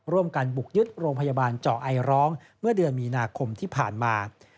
ร่วมกันบุกยึดโรงพยาบาลเจาะไอร้องเมื่อเดือนมีนาคมที่ผ่านมา